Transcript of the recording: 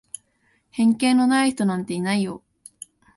偏見のない人なんていないよ。